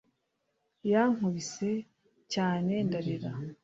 yankubise, cyane ndarira